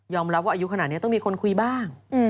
รับว่าอายุขนาดนี้ต้องมีคนคุยบ้าง